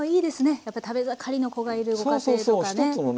やっぱり食べ盛りの子がいるご家庭とかね。